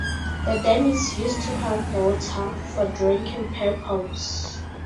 The dam is used to collect water for drinking purpose.